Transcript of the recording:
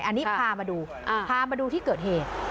อันนี้พามาดูพามาดูที่เกิดเหตุ